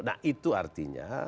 nah itu artinya